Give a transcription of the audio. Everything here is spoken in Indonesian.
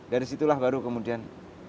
dari situlah baru kemudian